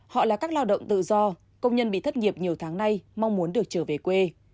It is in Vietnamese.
họ là các lao động tự do công nhân bị thất nghiệp nhiều tháng nay mong muốn được trở về quê